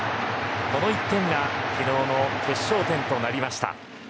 この１点が昨日の決勝点となりました。